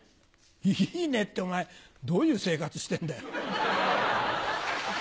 「いいね」ってお前どういう生活してんだよ？